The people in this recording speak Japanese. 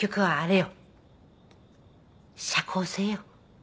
社交性よ。